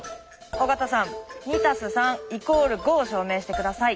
尾形さん「２＋３＝５」を証明して下さい。